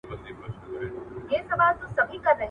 کشکي زما او ستا بهار لکه د ونو د شنېلیو `